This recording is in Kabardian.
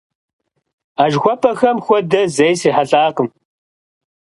А жыхуэпӀэхэм хуэдэ зэи срихьэлӀакъым.